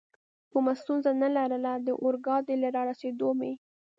کومه ستونزه نه لرله، د اورګاډي له رارسېدو مې.